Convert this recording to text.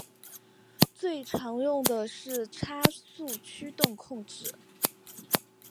最常用的是差速驱动控制。